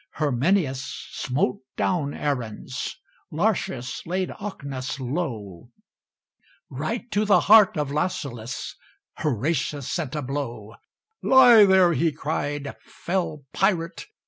Herminius smote down Aruns: Lartius laid Ocnus low: Right to the heart of Lausulus Horatius sent a blow. "Lie there," he cried, "fell pirate!